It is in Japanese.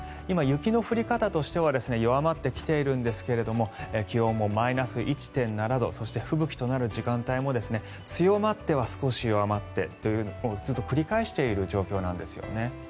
今、雪の降り方としては弱まってきているんですが気温もマイナス１．７度そして、吹雪となる時間帯も強まっては少し弱まってをずっと繰り返している状況なんですね。